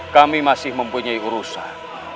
kami masih mempunyai urusan